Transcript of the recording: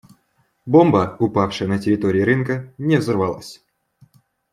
Бомба, упавшая на территории рынка, не взорвалась.